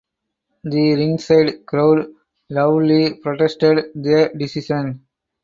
The ringside crowd loudly protested the decision.